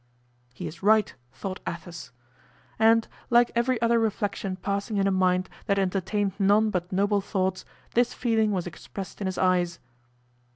"He is right," thought Athos. And, like every other reflection passing in a mind that entertained none but noble thoughts, this feeling was expressed in his eyes.